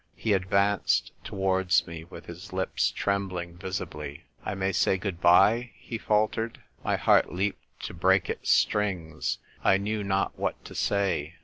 He advanced towards me, with his lips trembling visibly. " 1 may say good bye ?" he faltered. My heart leaped to break its strings. I knew not what to say.